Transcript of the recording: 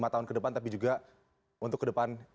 lima tahun kedepan tapi juga untuk kedepan